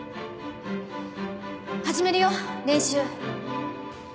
始めるよ練習。